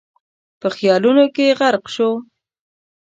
په خيالونو کې غرق شو.